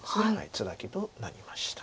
ツナギとなりました。